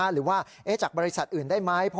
หรือว่าจากบริษัทอื่นได้ไหม